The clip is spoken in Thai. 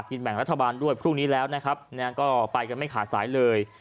แบ่งรัฐบาลด้วยพรุ่งนี้แล้วนะครับก็ไปกันไม่ขาดสายเลย